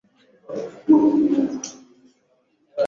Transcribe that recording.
hali kabla ya hapo ilikuwa ni nafuu lakini baada ya kupata